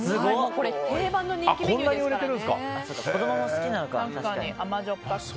定番の人気メニューですからね。